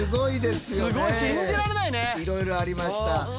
いろいろありました。